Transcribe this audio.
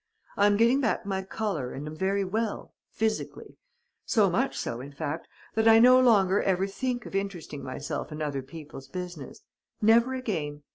I am getting back my colour and am very well, physically ... so much so, in fact, that I no longer ever think of interesting myself in other people's business. Never again!